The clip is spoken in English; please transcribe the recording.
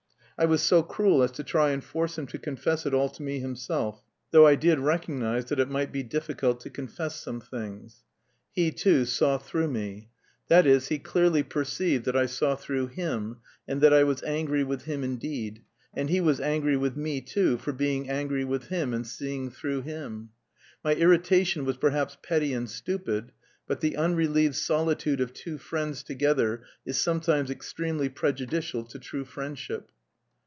I was so cruel as to try and force him to confess it all to me himself, though I did recognise that it might be difficult to confess some things. He, too, saw through me; that is, he clearly perceived that I saw through him, and that I was angry with him indeed, and he was angry with me too for being angry with him and seeing through him. My irritation was perhaps petty and stupid; but the unrelieved solitude of two friends together is sometimes extremely prejudicial to true friendship.